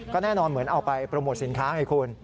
แน่นอนเหมือนเอาไปโปรโมทสินค้าไงคุณ